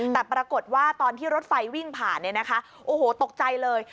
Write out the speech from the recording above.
แต่ปรากฏว่าตอนที่รถไฟวิ่งผ่านโอ้โหตกใจเลย